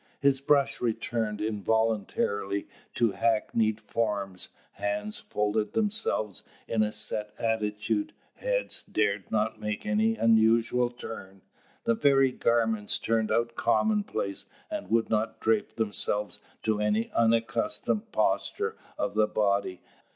His brush returned involuntarily to hackneyed forms: hands folded themselves in a set attitude; heads dared not make any unusual turn; the very garments turned out commonplace, and would not drape themselves to any unaccustomed posture of the body.